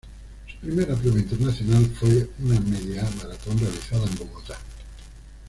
Su primera prueba internacional fue una media maratón realizada en Bogotá.